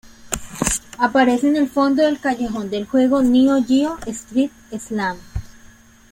Aparece en el fondo del callejón del juego Neo-Geo "Street Slam".